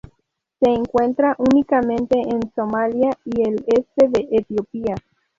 Se encuentra únicamente en Somalia y el este de Etiopía.